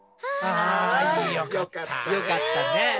ああよかったね。